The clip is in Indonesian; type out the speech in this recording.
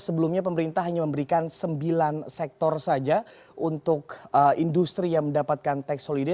sebelumnya pemerintah hanya memberikan sembilan sektor saja untuk industri yang mendapatkan tax holiday